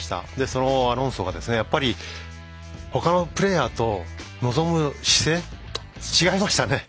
そのアロンソが、やっぱりほかのプレーヤーと臨む姿勢が違いましたね。